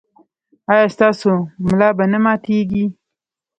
ایا ستاسو ملا به نه ماتیږي؟